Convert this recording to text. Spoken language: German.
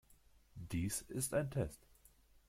Dies ist ein Test.